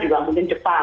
juga mungkin jepang